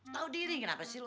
tau diri kenapa sih lu